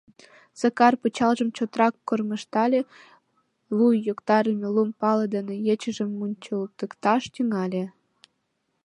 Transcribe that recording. Сакар пычалжым чотрак кормыжтале, луй йоктарыме лум пале дене ечыжым мунчалтыкташ тӱҥале.